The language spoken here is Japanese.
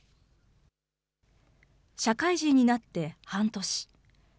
社会人になって半年。